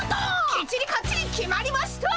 きっちりかっちり決まりました！